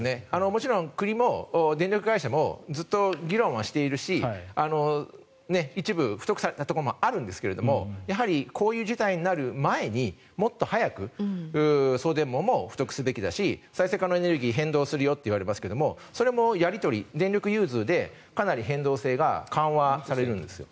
もちろん国も電力会社もずっと議論はしているし一部、太くされたところもあるんですがこういう事態になる前にもっと早く送電網も太くするべきだし再生可能エネルギー変動するよと言われますけどそれもやり取り電力融通でかなり変動性が緩和されるんですよ。